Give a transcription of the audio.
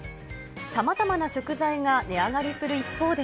さまざまな食材が値上がりする一方で。